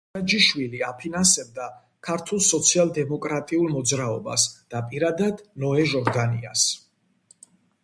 სარაჯიშვილი აფინანსებდა ქართულ სოციალ-დემოკრატიულ მოძრაობას და პირადად ნოე ჟორდანიას.